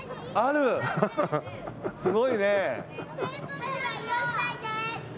すごいね。